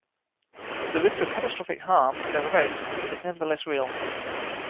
The risk of catastrophic harm, though remote, is nevertheless real.